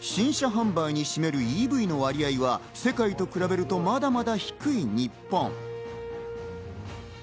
新車販売に占めるＥＶの割合は世界と比べるとまだまだ低い日本。